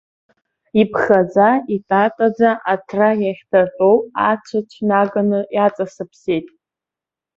Иԥхаӡа, итатаӡа аҭра иахьҭатәоу, ацәыцә наганы иаҵасыԥсеит.